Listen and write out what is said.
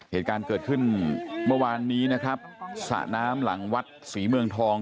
เหตุการณ์เกิดขึ้นเมื่อวานนี้นะครับสระน้ำหลังวัดศรีเมืองทอง